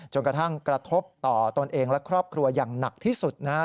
จนกระทั่งกระทบต่อตนเองและครอบครัวอย่างหนักที่สุดนะฮะ